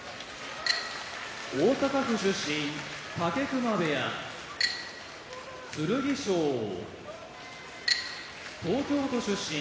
大阪府出身武隈部屋剣翔東京都出身